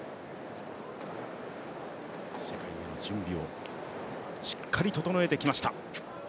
世界への準備をしっかりと整えてきました。